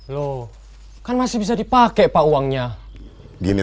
loh kan masih bisa dipakai pak uangnya gini